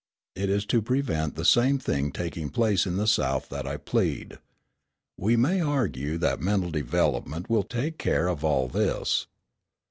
It is to prevent the same thing taking place in the South that I plead. We may argue that mental development will take care of all this.